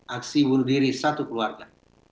aksi bunuh diri satu keluarga